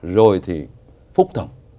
rồi thì phúc thầm